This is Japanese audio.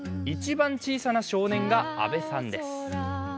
一番小さな少年が阿部さんです。